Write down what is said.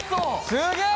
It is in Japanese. すげえ！